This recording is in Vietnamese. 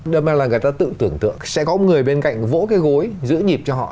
do là người ta tự tưởng tượng sẽ có người bên cạnh vỗ cái gối giữ nhịp cho họ